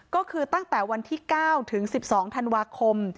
ก็คือตั้งแต่วันที่๙ถึง๑๒ธันวาคม